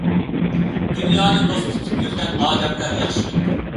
دۇنيانى دوست تۇتۇپ يۈرگەن ئادەملەر ياخشى بىلىدۇ.